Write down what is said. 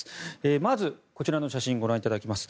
まず、こちらの写真ご覧いただきます。